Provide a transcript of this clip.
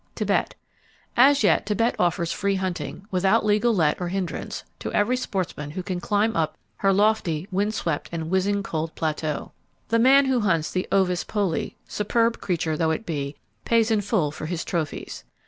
Tibet.—As yet, Tibet offers free hunting, without legal let or hindrance, to every sportsman who can climb up to her lofty, wind swept and whizzing cold plateau. The man who hunts the Ovis poli, superb creature though it be, pays in full for his trophies.